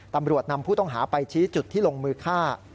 ตำรวจนำผู้ต้องหาไปชี้จุดที่ลงมือฆ่า